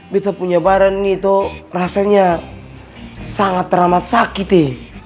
betta punya bareng ini toh rasanya sangat ramah sakit ye